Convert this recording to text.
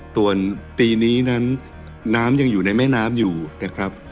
ส่วนปีนี้นั้นน้ำยังอยู่ในแม่น้ำอยู่นะครับ